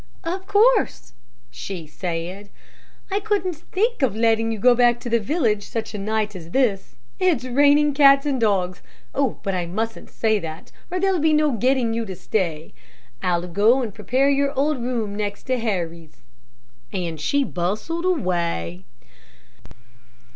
"Of course," she said. "I couldn't think of letting you go back to the village such a night as this. It's raining cats and dogs but I mustn't say that, or there'll be no getting you to stay. I'll go and prepare your old room next to Harry's." And she bustled away.